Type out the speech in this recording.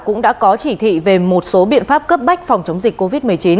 cũng đã có chỉ thị về một số biện pháp cấp bách phòng chống dịch covid một mươi chín